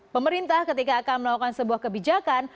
pemerintah ketika akan melakukan sebuah kebijakan